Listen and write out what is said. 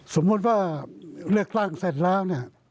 สมมติว่าเลือกตั้งเสร็จแล้ว